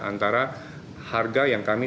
antara harga yang kami